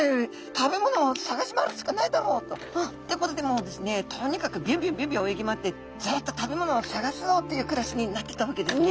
食べ物を探し回るしかないだろうと。ということでもうですねとにかくビュンビュンビュンビュン泳ぎ回ってずっと食べ物を探すぞっていう暮らしになってったわけですね。